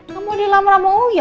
kamu mau di lamaran sama oya